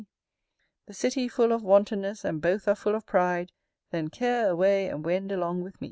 The city full of wantonness, And both are full of pride: Then care away, etc.